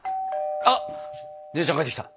あっ姉ちゃん帰ってきた。